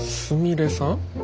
すみれさん？